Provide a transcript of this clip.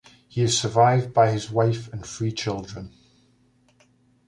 He is survived by his wife and three children.